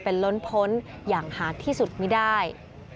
เป็นล้นพ้นอย่างหาดที่สุดไม่ได้